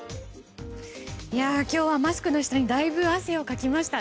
今日はマスクの下に汗をかきました。